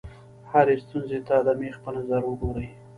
هرې ستونزې ته د مېخ په نظر وګورئ.